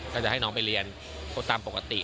ก็จะให้น้องไปเรียนตามปกติ